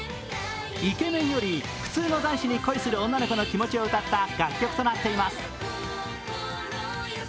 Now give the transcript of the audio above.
イケメンより普通の男子に恋する女の子の気持ちを歌った楽曲となっています。